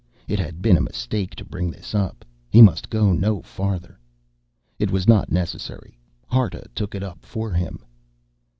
It had been a mistake to bring this up. He must go no further. It was not necessary. Harta took it up for him.